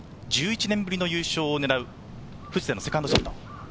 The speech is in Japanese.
１１年ぶりの優勝を狙う藤田のセカンドショット。